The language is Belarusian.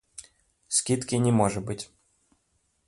Скідкі не можа быць.